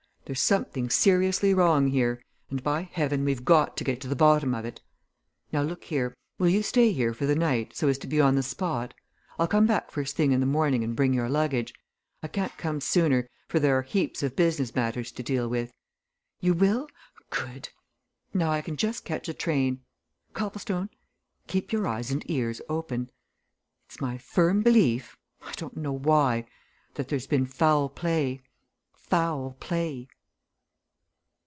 There's something seriously wrong here and by heaven, we've got to get to the bottom of it! Now, look here will you stay here for the night, so as to be on the spot? I'll come back first thing in the morning and bring your luggage I can't come sooner, for there are heaps of business matters to deal with. You will good! Now I can just catch a train. Copplestone! keep your eyes and ears open. It's my firm belief I don't know why that there's been foul play. Foul play!"